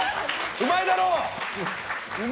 うまいだろ！